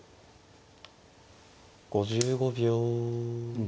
５５秒。